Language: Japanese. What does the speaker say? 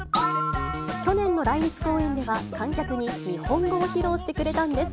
去年の来日公演では、観客に日本語を披露してくれたんです。